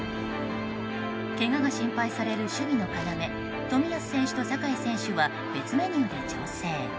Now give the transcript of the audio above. けがが心配される守備の要冨安選手と酒井選手は別メニューで調整。